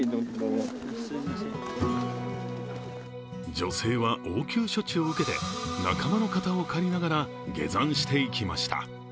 女性は応急処置を受けて仲間の肩を借りながら下山していきました。